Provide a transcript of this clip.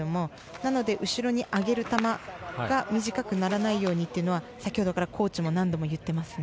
なので、後ろに上げる球が短くならないように先ほどからコーチも何度も言っていますね。